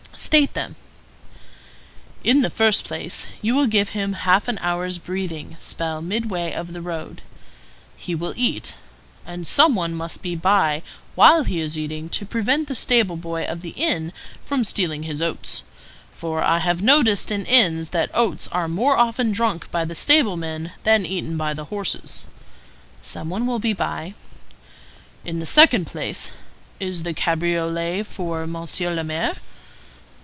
"State them." "In the first place, you will give him half an hour's breathing spell midway of the road; he will eat; and some one must be by while he is eating to prevent the stable boy of the inn from stealing his oats; for I have noticed that in inns the oats are more often drunk by the stable men than eaten by the horses." "Some one will be by." "In the second place—is the cabriolet for Monsieur le Maire?"